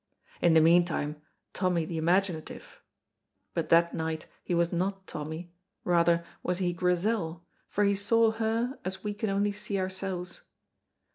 In the meantime Tommy the imaginative but that night he was not Tommy, rather was he Grizel, for he saw her as we can only see ourselves.